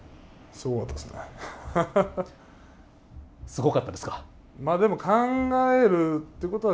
すごかったですか？